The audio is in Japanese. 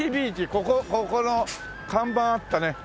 ここここの看板あったね。